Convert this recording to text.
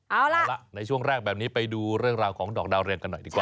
เอาล่ะเอาละในช่วงแรกแบบนี้ไปดูเรื่องราวของดอกดาวเรืองกันหน่อยดีกว่า